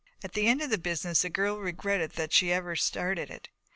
At the end of the business the girl regretted that she had ever started it.